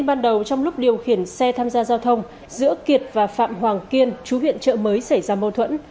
ban đầu trong lúc điều khiển xe tham gia giao thông giữa kiệt và phạm hoàng kiên chú huyện trợ mới xảy ra mâu thuẫn